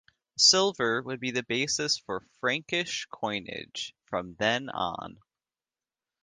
Silver would be the basis for Frankish coinage from then on.